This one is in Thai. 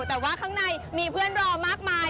แต่ว่าข้างในมีเพื่อนรอมากมาย